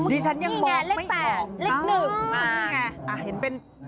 ดิฉันยังบอกไม่เห็นอ้าวนี่ไงเลข๘เลข๑อ้าวนี่ไง